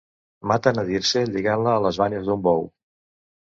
Maten a Dirce lligant-la a les banyes d'un bou.